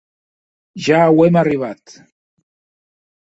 Ja auem arribat.